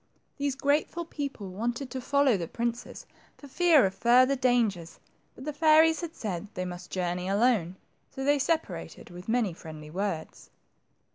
These grateful people wanted to follow the princes for fear of further dangers, but the fairies had said they must journey alone, so they separated with many friendly words.